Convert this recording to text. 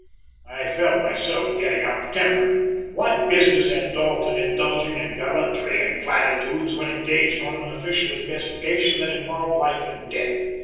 I felt myself getting out of temper. What business had Dalton indulging in gallantry and platitudes when engaged on an official investigation that involved life and death?